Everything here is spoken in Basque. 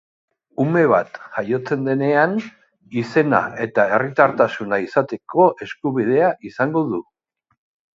Ume bat jaiotzen denean, izena eta herritartasuna izateko eskubidea izango du.